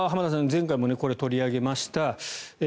前回もこれ、取り上げました。